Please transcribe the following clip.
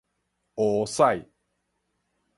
烏屎